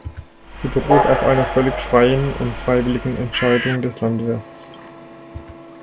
Sie beruht auf einer völlig freien und freiwilligen Entscheidung des Landwirts.